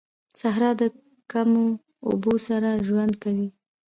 صحرا د کمو اوبو سره ژوند کوي